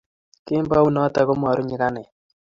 kembounoto komaru nyikanet